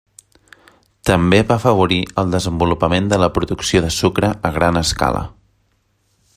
També va afavorir el desenvolupament de la producció de sucre a gran escala.